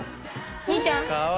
兄ちゃん！